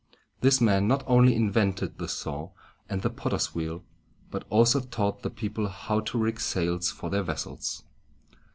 This man not only invented the saw and the potter's wheel, but also taught the people how to rig sails for their vessels.